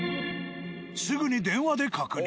すぐに電話で確認。